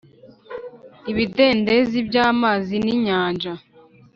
Ibidendezi by’amazi ninyanja